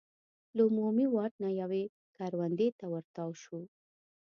له عمومي واټ نه یوې کروندې ته ور تاو شو.